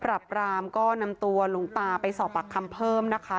ก็นำตัวหลูงตานำตัวหลวงตาไปสอบคำเพิ่มนะคะ